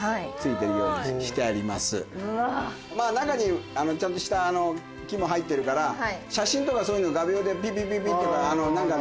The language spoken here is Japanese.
中にちゃんと下木も入ってるから写真とかそういうの画びょうでピピピピとか何かで。